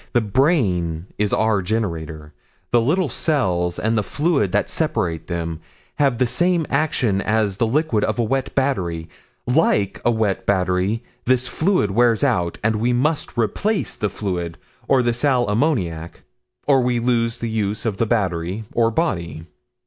The brain is our generator. The little cells and the fluid that separate them, have the same action as the liquid of a wet battery; like a wet battery this fluid wears out and we must replace the fluid or the sal ammoniac or we lose the use of the battery or body.